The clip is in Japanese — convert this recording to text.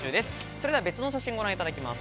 それでは別の写真をご覧いただきます。